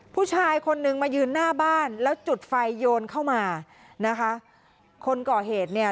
ผู้ชายคนนึงมายืนหน้าบ้านแล้วจุดไฟโยนเข้ามานะคะคนก่อเหตุเนี่ย